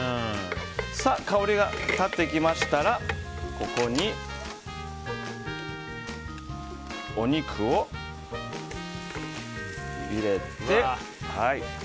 香りが立ってきましたらここにお肉を入れて。